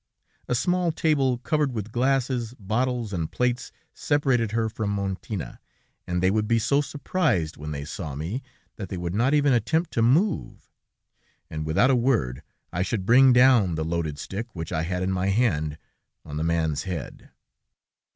A small table covered with glasses, bottles and plates separated her from Montina, and they would be so surprised when they saw me, that they would not even attempt to move, and without a word, I should bring down the loaded stick which I had in my hand, on the man's head.